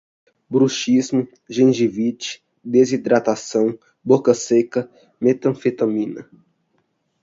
bruxismo, gengivite, desidratação, boca seca, metanfetamina